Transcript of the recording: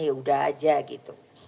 ya udah aja gitu